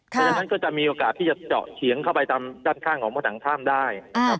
เพราะฉะนั้นก็จะมีโอกาสที่จะเจาะเฉียงเข้าไปตามด้านข้างของผนังถ้ำได้นะครับ